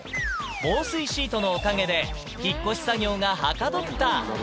防水シートのおかげで、引っ越し作業がはかどった。